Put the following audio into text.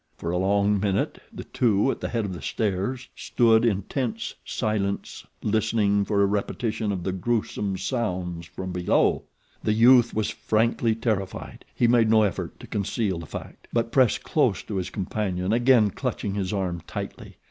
For a long minute the two at the head of the stairs stood in tense silence listening for a repetition of the gruesome sounds from below. The youth was frankly terrified; he made no effort to conceal the fact; but pressed close to his companion, again clutching his arm tightly.